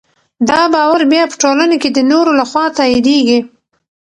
دا باور بیا په ټولنه کې د نورو لخوا تاییدېږي.